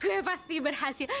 saya pasti berhasil